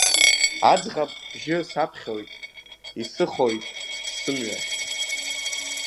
Аӡӷаб бжьы сыԥхьоит, исыхоит сымҩахь…